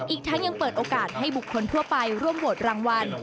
อีกทั้งยังเปิดโอกาสให้บุคคลทั่วไปร่วมโหวตรางวัล